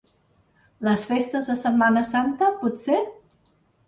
Les festes de Setmana Santa, potser?